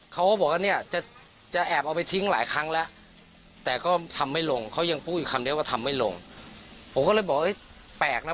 เขายังพูดอยู่คำนี้ว่าทำไม่ลงผมก็เลยบอกเอ้ยแปลกนะ